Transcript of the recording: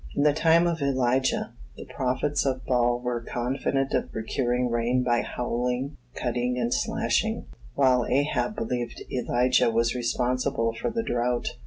In the time of Elijah, the prophets of Baal were confident of procuring rain by howling, cutting and slashing; while Ahab believed Elijah was responsible for the drought.